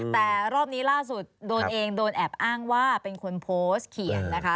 แต่รอบนี้ล่าสุดโดนเองโดนแอบอ้างว่าเป็นคนโพสต์เขียนนะคะ